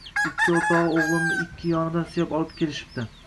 Ikki o`rtog`i o`g`limni ikki yonidan suyab olib kelishibdi